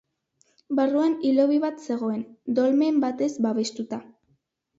Barruan hilobi bat zegoen, dolmen batez babestuta.